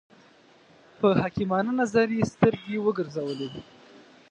په حکیمانه نظر یې سترګې وګرځولې.